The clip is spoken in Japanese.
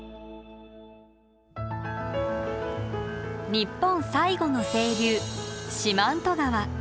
日本最後の清流四万十川。